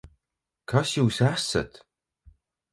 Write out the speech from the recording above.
Kas Jūs esat?